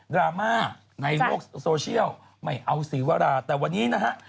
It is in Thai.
ราม่าในโลกโซเชียลไม่เอาศรีวราแต่วันนี้นะฮะ